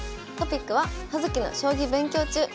トピックは「葉月の将棋勉強中！」。